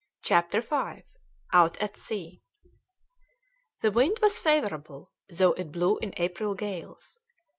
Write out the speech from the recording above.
CHAPTER V OUT AT SEA The wind was favourable, though it blew in April gales.